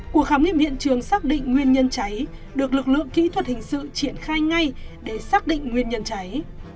cuộc khám nghiệm hiện trường xác định nguyên nhân cháy được lực lượng kỹ thuật hình sự triển khai ngay để xác định nguyên nhân cháy